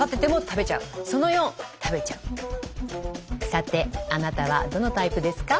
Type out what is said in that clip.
さてあなたはどのタイプですか？